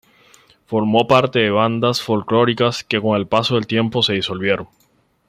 Formó parte de bandas folclóricas que con el paso del tiempo se disolvieron.